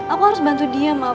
aku harus bantu dia mal